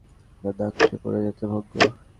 আপনার নাক কেটে পরের যাত্রা ভঙ্গ।